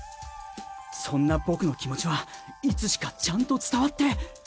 そんな僕の気持ちはいつしかちゃんと伝わって。